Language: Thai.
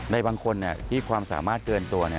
บางคนที่ความสามารถเกินตัว